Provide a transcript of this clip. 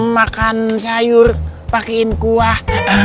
makan sayur pakein kuah